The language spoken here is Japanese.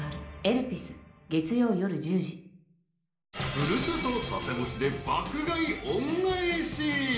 ［古里佐世保市で爆買い恩返し］